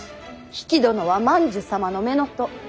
比企殿は万寿様の乳母。